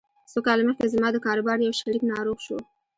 څو کاله مخکې زما د کاروبار يو شريک ناروغ شو.